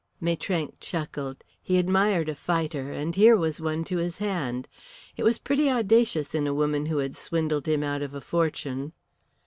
Maitrank chuckled. He admired a fighter, and here was one to his hand. It was pretty audacious in a woman who had swindled him out of a fortune.